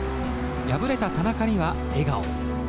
敗れた田中には笑顔。